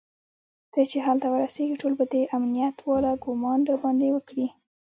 ته چې هلته ورسېږي ټول به د امنيت والا ګومان درباندې وکړي.